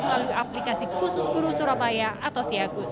melalui aplikasi khusus guru surabaya atau siagus